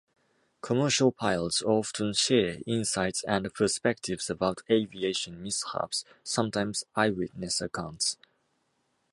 Commercial pilots often share insights and perspectives about aviation mishaps, sometimes eyewitness accounts.